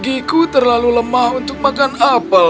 bagiku terlalu lemah untuk makan apel